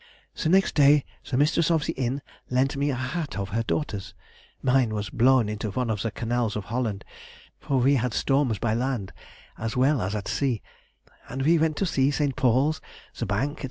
"The next day the mistress of the inn lent me a hat of her daughter's—mine was blown into one of the canals of Holland, for we had storms by land as well as at sea—and we went to see St. Paul's, the Bank, &c.